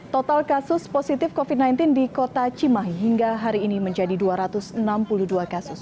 total kasus positif covid sembilan belas di kota cimahi hingga hari ini menjadi dua ratus enam puluh dua kasus